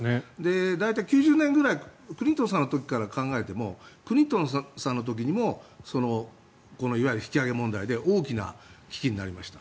大体９０年ぐらいクリントンさんの時から考えてもクリントンさんの時にもいわゆる引き上げ問題で大きな危機になりました。